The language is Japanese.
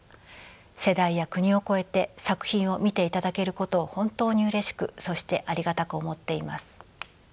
世代や国を超えて作品を見ていただけることを本当にうれしくそしてありがたく思っています。